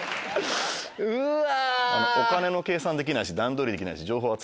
うわ！